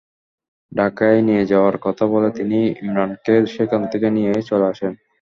ঢাকায় নিয়ে যাওয়ার কথা বলে তিনি ইমরানকে সেখান থেকে নিয়ে চলে আসেন।